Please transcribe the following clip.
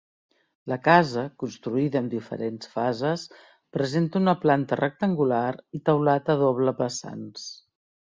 La casa, construïda amb diferents fases, presenta una planta rectangular i teulat a doble vessants.